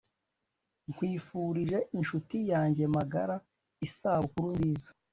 nkwifurije inshuti yanjye magara isabukuru nziza